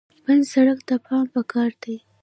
بند سړک ته پام پکار دی.